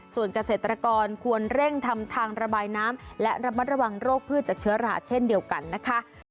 ส่วนเกษตรกรควรเร่งทำทางระบายน้ำและระมัดระวังโรคพืชจากเชื้อราเช่นเดียวกันนะคะ